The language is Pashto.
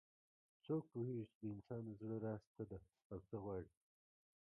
څوک پوهیږي چې د انسان د زړه راز څه ده او څه غواړي